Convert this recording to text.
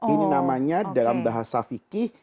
ini namanya dalam bahasa fikih